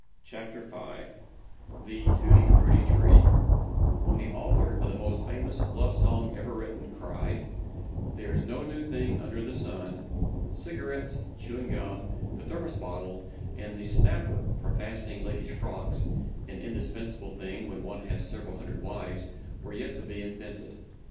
THE TUTTI FRUTTI TREE When the author of the most famous Love Song ever written, cried, "There is no new thing under the sun," cigarettes, chewing gum, the thermos bottle and the "snapper" for fastening ladies' frocks—(an indispensable thing when one has several hundred wives)—were yet to be invented.